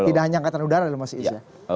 tidak hanya angkatan udara loh mas is ya